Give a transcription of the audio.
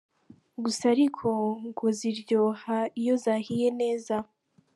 Gusa ariko ngo ziryoha iyo zahiye neza.